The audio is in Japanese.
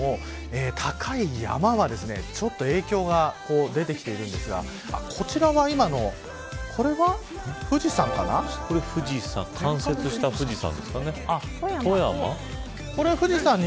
高い山はちょっと影響が出てきているんですがこちらが今の冠雪した富士山ですかね。